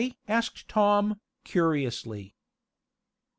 asked Tom, curiously.